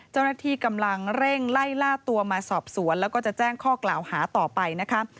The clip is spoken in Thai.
เจ้าหน้าที่กำลังเร่งไล่ล่าตัวมาสอบสวนแล้วก็จะแจ้งข้อกล่าวหาต่อไปนะคะ